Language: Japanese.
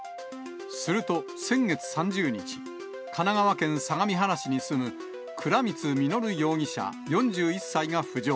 すると、先月３０日、神奈川県相模原市に住む、倉光実容疑者４１歳が浮上。